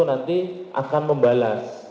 nanti akan membalas